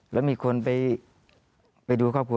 แล้วมีคนไปดูครอบครัว